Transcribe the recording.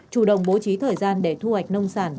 chủ động bố trí thời gian để thu hoạch nông sản